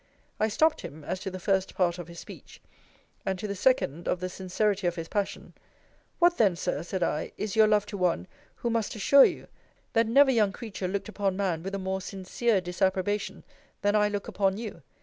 I stopped him, as to the first part of his speech: and to the second, of the sincerity of his passion, What then, Sir, said I, is your love to one, who must assure you, that never young creature looked upon man with a more sincere disapprobation, than I look upon you?